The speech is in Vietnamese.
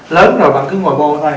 lớn rồi bạn cứ ngồi bồn thôi